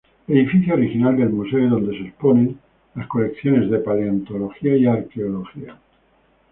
Edificio original del museo y donde se exponen las colecciones de Paleontología y Arqueología.